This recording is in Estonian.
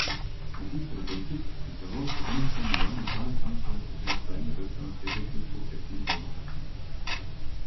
Audiitorid leidsid, et Euroopa Komisjon ei olnud rohestamistoetuse jaoks välja töötanud terviklikku sekkumisloogikat.